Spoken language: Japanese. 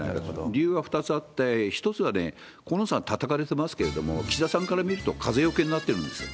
理由は２つあって、一つはね、河野さんたたかれてますけれども、岸田さんから見ると風よけになってるんですよ。